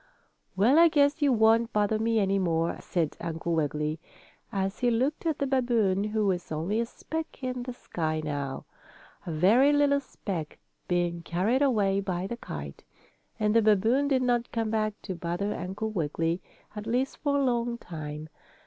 ] "Well, I guess you won't bother me any more," said Uncle Wiggily, as he looked at the babboon, who was only a speck in the sky now; a very little speck, being carried away by the kite. And the babboon did not come back to bother Uncle Wiggily, at least for a long time.